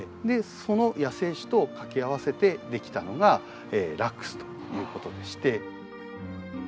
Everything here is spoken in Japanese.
その野生種と掛け合わせてできたのがラックスということでして。